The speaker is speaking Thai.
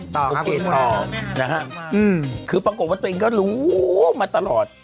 ต่อครับโอเคต่อนะฮะอืมคือปรังกลุ่มว่าตัวเองก็รู้มาตลอด